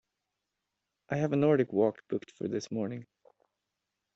I have a Nordic walk booked for this morning.